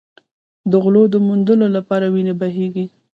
د غلو د موندلو لپاره وینې بهېږي.